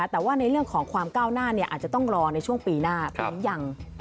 แต่ว่าในเรื่องของความก้าวหน้าอาจจะต้องรอในช่วงปีหน้าตอนนี้ยัง